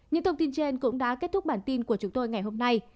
những thông tin trên cũng đã kết thúc bản tin của chúng tôi ngày hôm nay